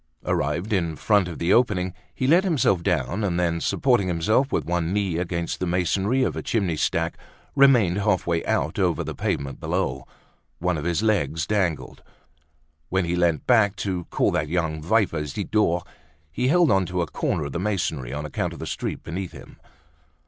Arrived in front of the opening, he let himself down, and then, supporting himself with one knee against the masonry of a chimney stack, remained half way out over the pavement below. One of his legs dangled. When he leant back to call that young viper, Zidore, he held on to a corner of the masonry, on account of the street beneath him.